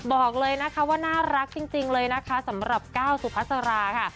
บอกเลยนะคะว่าน่ารักจริงเลยนะคะสำหรับก้าวสุพัสราค่ะ